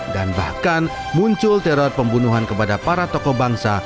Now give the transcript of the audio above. dan bahkan muncul teror pembunuhan kepada para tokoh bangsa